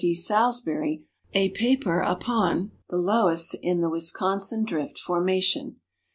D. Salisbury a paperupon " The Loe ss in the Wis consin Drift Formation."